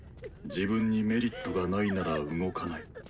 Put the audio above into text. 自分にメリットがないなら動かない。